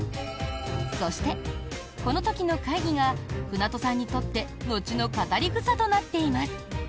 そして、この時の会議が舟渡さんにとって後の語り草となっています。